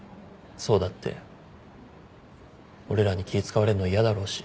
想だって俺らに気使われるの嫌だろうし。